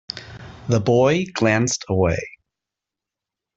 The boy glanced away.